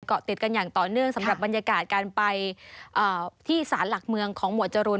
เกาะติดกันอย่างต่อเนื่องสำหรับบรรยากาศการไปที่สารหลักเมืองของหมวดจรูน